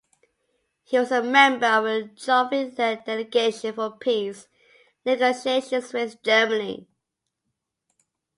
He was a member of the Joffe led delegation for peace negotiations with Germany.